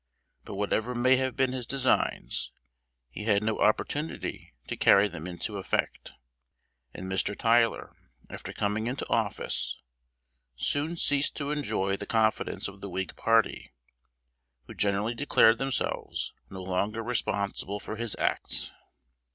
But whatever may have been his designs, he had no opportunity to carry them into effect; and Mr. Tyler, after coming into office, soon ceased to enjoy the confidence of the Whig party, who generally declared themselves no longer responsible for his acts.